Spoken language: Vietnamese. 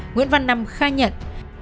nguyễn văn năm khai nhận